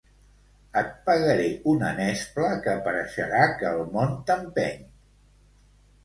Et pegaré una nespla que pareixerà que el món t'empeny.